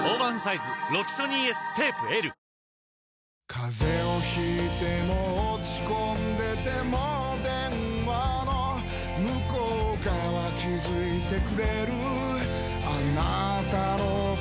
風邪を引いても落ち込んでても電話の向こう側気付いてくれるあなたの声